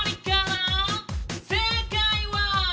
正解は」